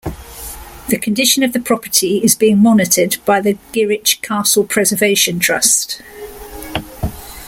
The condition of the property is being monitored by the Gwrych Castle Preservation Trust.